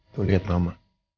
tuh lihat mama